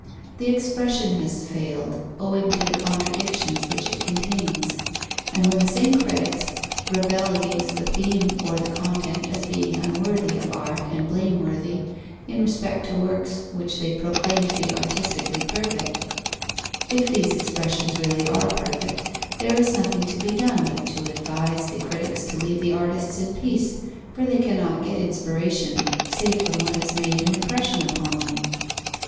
The expression has failed, owing to the contradictions which it contains. And when the same critics rebel against the theme or the content as being unworthy of art and blameworthy, in respect to works which they proclaim to be artistically perfect; if these expressions really are perfect, there is nothing to be done but to advise the critics to leave the artists in peace, for they cannot get inspiration, save from what has made an impression upon them.